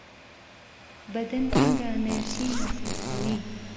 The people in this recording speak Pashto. بدن څنګه انرژي مصرفوي؟